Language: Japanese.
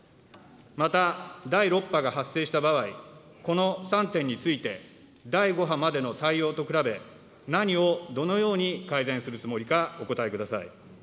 また第６波が発生した場合、この３点について第５波までの対応と比べ、何をどのように改善するつもりかお答えください。